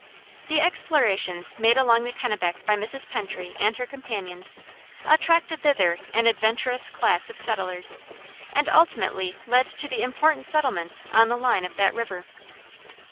The explorations made along the Kennebec by Mrs. Pentry and her companions attracted thither an adventurous class of settlers, and ultimately led to the important settlements on the line of that river.